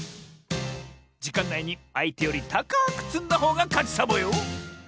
じかんないにあいてよりたかくつんだほうがかちサボよ！